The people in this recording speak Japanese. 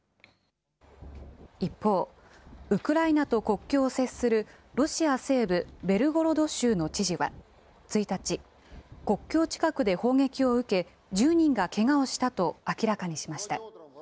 一方、ウクライナと国境を接するロシア西部ベルゴロド州の知事は１日、国境近くで砲撃を受け、１０人がけがをしたと明らかにしました。